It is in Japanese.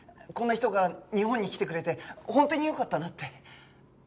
こんな人が日本に来てくれて本当によかったなって。